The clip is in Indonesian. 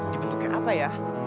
dibentuk kayak apa ya